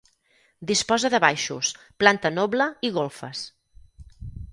Disposa de baixos, planta noble i golfes.